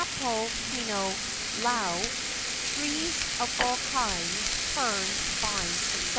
""" laau (trees of all kinds, ferns, vines, etc.).